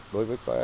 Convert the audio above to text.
đối với khu du lịch